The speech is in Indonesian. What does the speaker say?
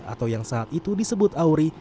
atau yang saat itu disebut auri